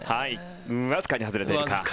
わずかに外れていますが。